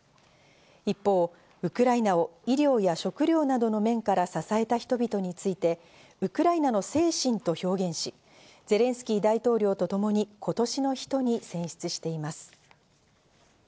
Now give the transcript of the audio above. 一方、ウクライナを医療や食料などの面から支えた人々について、「ウクライナの精神」と表現し、ゼレンスキー大統領とともに、「今年の人」に選出しています。